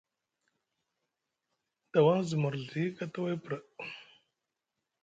Dawaŋ zi murzɵi kataway pra.